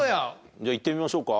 じゃあいってみましょうか？